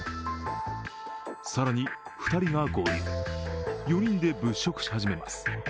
更に２人が合流、４人で物色し始めます。